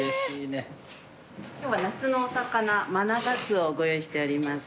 今日は夏のお魚マナガツオをご用意しております。